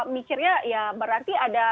mikirnya ya berarti ada